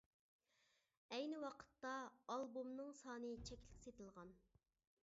ئەينى ۋاقىتتا ئالبومنىڭ سانى چەكلىك سېتىلغان.